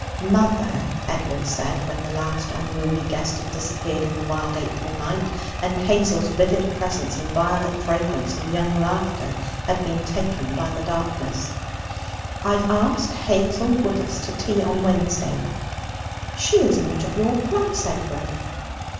'Mother,' Edward said, when the last unruly guest had disappeared in the wild April night, and Hazel's vivid presence and violet fragrance and young laughter had been taken by the darkness, 'I've asked Hazel Woodus to tea on Wednesday.' 'She is not of your class, Edward.'